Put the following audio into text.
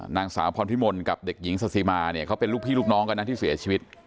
นางสาวพรพิมลกับเด็กหญิงซาสิมาเนี่ยเขาเป็นลูกพี่ลูกน้องกันนะที่เสียชีวิต